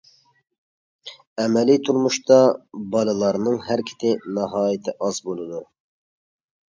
ئەمەلىي تۇرمۇشتا، بالىلارنىڭ ھەرىكىتى ناھايىتى ئاز بولىدۇ.